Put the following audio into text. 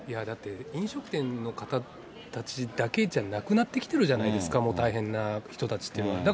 だって、飲食店の方たちだけじゃなくなってきてるじゃないですか、もう大変な人たちっていうのは。